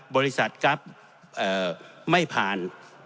บริษัทกรับไม่ผ่าน